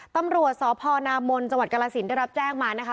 ตำรวจสพนามนจังหวัดกรสินได้รับแจ้งมานะคะ